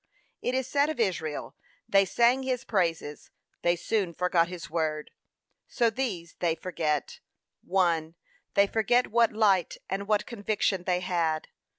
It is said of Israel, they sang his praises, they soon forgot his word. So these they forget. 1. They forget what light and what conviction they had.